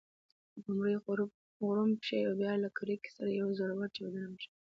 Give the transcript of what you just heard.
لومړی غړومب شي او بیا له کړېکې سره یوه زوروره چاودنه وشي.